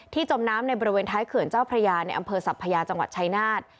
จมน้ำในบริเวณท้ายเขื่อนเจ้าพระยาในอำเภอสัพพยาจังหวัดชายนาฏ